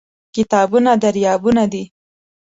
کتابونه دریابونه دي.